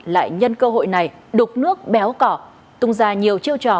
lại nhân cơ hội này đục nước béo cỏ tung ra nhiều chiêu trò